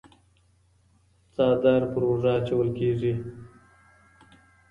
څادر په اوږه اچول کيږي.